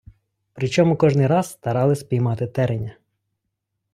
Причому кожний раз старались піймати Тереня.